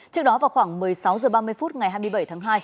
trước đó vào khoảng một mươi sáu h ba mươi phút ngày hai mươi bảy tháng hai